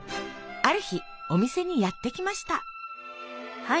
ある日お店にやって来ました。